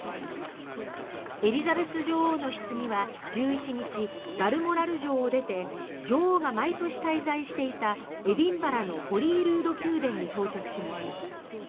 エリザベス女王のひつぎは１１日、バルモラル城を出て女王が毎年滞在していたエディンバラのホリールード宮殿に到着しました。